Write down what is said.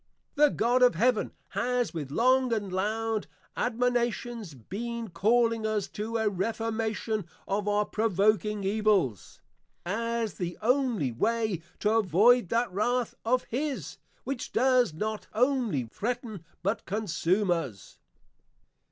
The God of Heaven has with long and loud Admonitions, been calling us to a Reformation of our Provoking Evils, as the only way to avoid that Wrath of His, which does not only Threaten but Consume us.